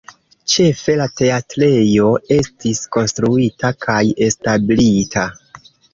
Ĉefe la teatrejo estis konstruita kaj establita.